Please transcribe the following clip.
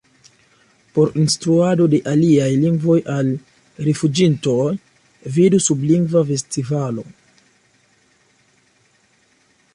Por instruado de aliaj lingvoj al rifuĝintoj: vidu sub Lingva Festivalo.